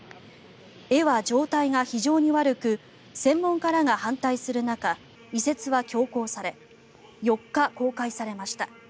絵は状態が非常に悪く専門家らが反対する中移設は強行され４日、公開されました。